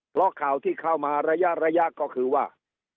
เพราะข่าวที่เข้ามาระยะก็คือว่า